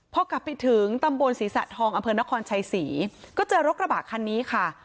พอกลับไปถึงตำบลศรีสะทองอำเภอนครชัยศรีก็เจอรถกระบะคันนี้ค่ะ